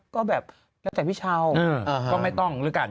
ก็แบบแล้วแต่พี่เช้าก็ไม่ต้องแล้วกัน